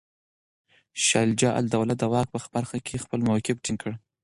شجاع الدوله د واک په برخه کې خپل موقف ټینګ کړ.